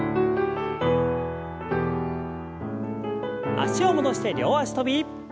脚を戻して両脚跳び。